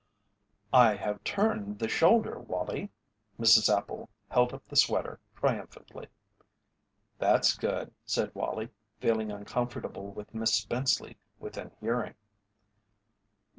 "I have turned the shoulder, Wallie." Mrs. Appel held up the sweater triumphantly. "That's good," said Wallie, feeling uncomfortable with Miss Spenceley within hearing.